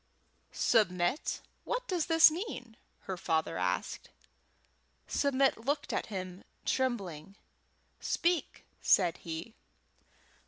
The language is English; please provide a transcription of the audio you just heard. "Submit, what does this mean?" her father asked. Submit looked at him, trembling. "Speak," said he.